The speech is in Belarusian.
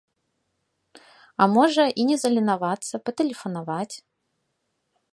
А можа, і не заленавацца, патэлефанаваць.